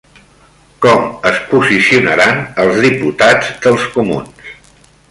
Com es posicionaran els diputats dels Comuns?